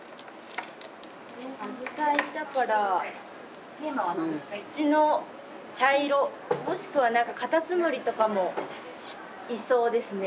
紫陽花だから土の茶色もしくは何かカタツムリとかもいそうですね。